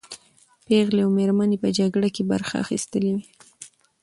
پېغلې او مېرمنې په جګړه کې برخه اخیستلې وې.